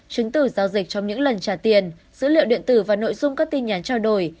chứng từ giao dịch trong những lần trả tiền dữ liệu điện tử và nội dung các tin nhắn trao đổi